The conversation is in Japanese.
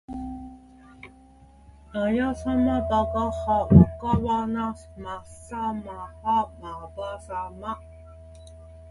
なやさまばがはわかわなまさまはまばさま